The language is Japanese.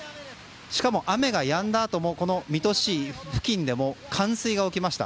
しかも雨がやんだあとも水戸市付近でも冠水が起きました。